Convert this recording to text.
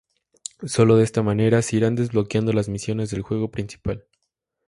Solo de esta manera, se irán desbloqueando las misiones del juego principal.